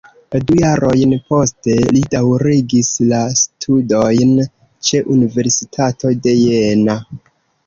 Du jarojn poste li daŭrigis la studojn ĉe Universitato de Jena.